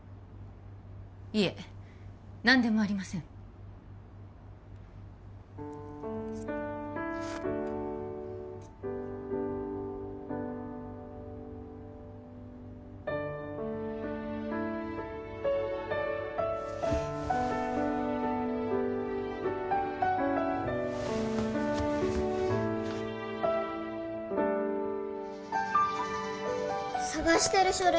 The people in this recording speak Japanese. いえ何でもありません探してる書類